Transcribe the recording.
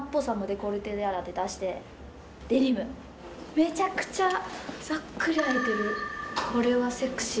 めちゃくちゃざっくり開いてる。